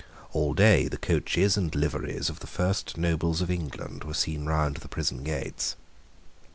All day the coaches and liveries of the first nobles of England were seen round the prison gates.